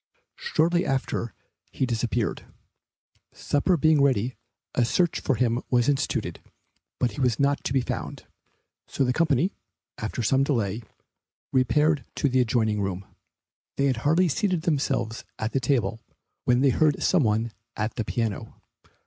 Shortly after he disappeared. Supper being ready a search for him was instituted, but he was not to be found, so the company, after some delay, repaired to the adjoining room. They had hardly seated themselves at the table, when they heard some one at the piano.